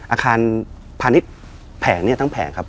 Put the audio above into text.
อาคารพาณิชย์แผงเนี่ยทั้งแผงครับ